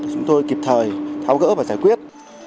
chúng tôi kịp thời tháo gỡ và giải quyết